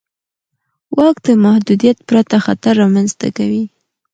واک د محدودیت پرته خطر رامنځته کوي.